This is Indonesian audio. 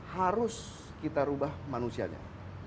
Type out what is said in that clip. harus kita merubah manusianya